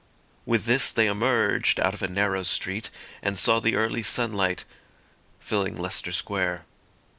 With this they emerged out of a narrow street, and saw the early sunlight filling Leicester Square.